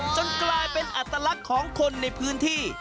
จนกลายเป็นอัตลักษณ์ของคนในพื้นที่